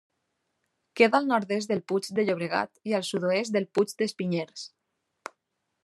Queda al nord-est del Puig de Llobregat i al sud-oest del Puig dels Pinyers.